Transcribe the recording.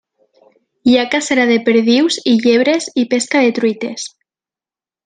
Hi ha cacera de perdius i llebres i pesca de truites.